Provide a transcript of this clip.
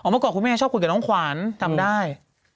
เมื่อก่อนคุณแม่ชอบคุยกับน้องขวานจำได้